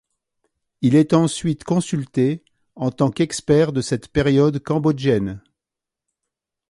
Il est ensuite consulté en tant qu'expert de cette période cambodgienne.